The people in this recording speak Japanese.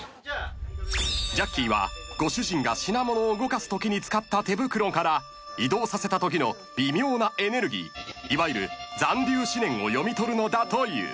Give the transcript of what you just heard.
［ジャッキーはご主人が品物を動かすときに使った手袋から移動させたときの微妙なエネルギーいわゆる残留思念を読み取るのだという］